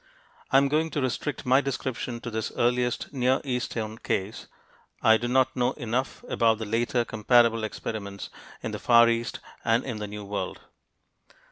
I am going to restrict my description to this earliest Near Eastern case I do not know enough about the later comparable experiments in the Far East and in the New World.